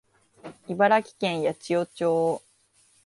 茨城県八千代町